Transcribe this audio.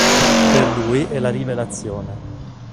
Per lui è la rivelazione.